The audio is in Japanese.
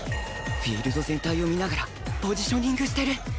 フィールド全体を見ながらポジショニングしてる！